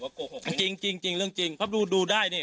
หรือว่าโกหกจริงจริงจริงเรื่องจริงเพราะดูดูได้เนี้ย